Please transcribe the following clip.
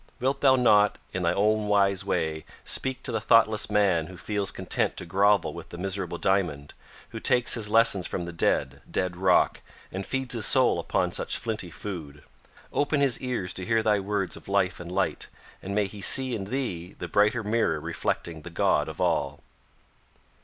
Wilt thou not, in thy own wise way, speak to the thoughtless man who feels content to grovel with the miserable diamond, who takes his lessons from the dead, dead rock, and feeds his soul upon such flinty food. Open his ears to hear thy words of life and light, and may he see in thee the brighter mirror reflecting the God of all."